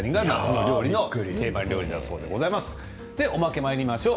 おまけにまいりましょう。